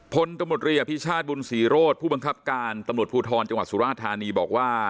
พลตำรวจรีอภิชาติบุญศรีโรธผู้บังคับการตำรวจภูทรจังหวัดสุราธานีบอกว่า